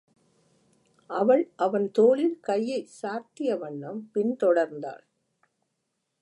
அவள் அவன் தோளில் கையைச் சார்த்திய வண்ணம் பின் தொடர்ந்தாள்.